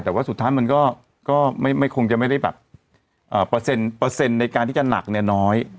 แต่ว่าสุดท้ายมันก็คงจะไม่ได้แบบเปอร์เซ็นต์ในการที่จะหนักเนี่ยน้อย